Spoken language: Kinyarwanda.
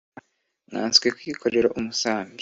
nkanswe kwikorera umusambi!